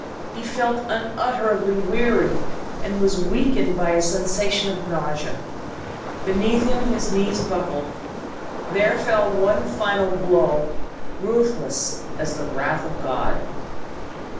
He felt unutterably weary, and was weakened by a sensation of nausea. Beneath him his knees buckled. There fell one final blow, ruthless as the wrath of God.